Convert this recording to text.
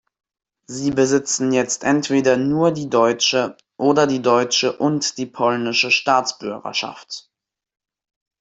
Sie besitzen jetzt entweder nur die deutsche oder die deutsche und die polnische Staatsbürgerschaft.